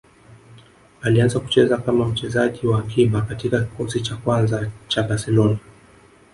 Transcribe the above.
Alianza kucheza kama mchezaji wa akiba katika kikosi cha kwanza cha Barcelona